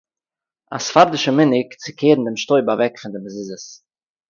אַ ספרדי'שער מנהג צו קערן דעם שטויב אַוועק פון די מזוזות